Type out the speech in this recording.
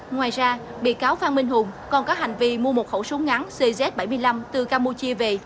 ngoài ra bị cáo phan minh hùng còn có hành vi mua một khẩu súng ngắn cz bảy mươi năm từ campuchia về